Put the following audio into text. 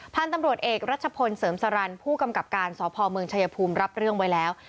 พันธุ์ตำรวจเอกรัชพลเสริมสรรค์ผู้กำกับการสพเมืองชายภูมิรับเรื่องไว้แล้ว